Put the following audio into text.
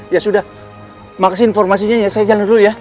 ya sudah makasih informasinya ya saya jalan dulu ya